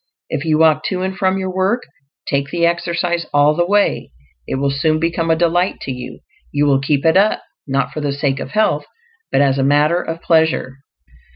If you walk to and from your work, take the exercise all the way; it will soon become a delight to you; you will keep it up, not for the sake of health, but as a matter of pleasure.